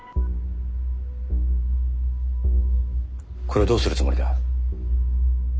これをどうするつもりだ？